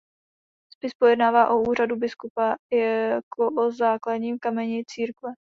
Spis pojednává o úřadu biskupa jako o základním kameni církve.